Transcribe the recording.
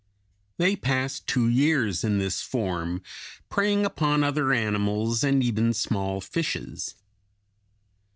They pass two years in this form, preying upon other animals and even small fishes.